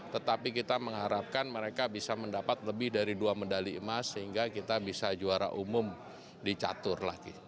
tetapi kita mengharapkan mereka bisa mendapat lebih dari dua medali emas sehingga kita bisa juara umum di catur lagi